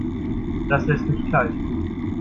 Das lässt mich kalt.